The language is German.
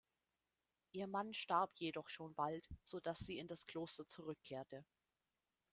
Ihr Mann starb jedoch schon bald, so dass sie in das Kloster zurückkehrte.